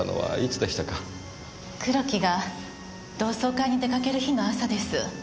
黒木が同窓会に出かける日の朝です。